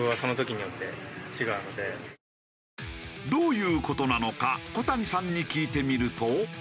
どういう事なのか小谷さんに聞いてみると。